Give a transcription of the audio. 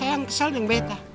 sayang kesel dengan betta